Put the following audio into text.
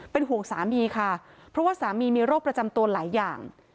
เป็นห่วงสามีค่ะเพราะว่าสามีมีโรคประจำตัวหลายอย่าง